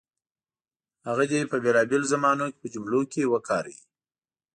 هغه دې په بېلابېلو زمانو کې په جملو کې وکاروي.